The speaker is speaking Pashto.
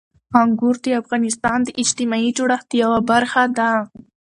انګور د افغانستان د اجتماعي جوړښت یوه برخه ده.